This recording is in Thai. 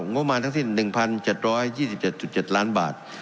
งบประมาณทั้งสิ้น๑๗๒๗๗ล้านบาท